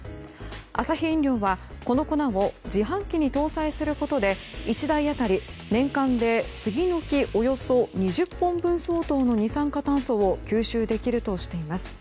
アサヒ飲料は、この粉を自販機に搭載することで１台当たり、年間で杉の木およそ２０本分相当の二酸化炭素を吸収できるとしています。